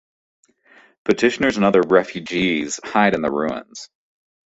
Petitioners and other refugees hide in the ruins.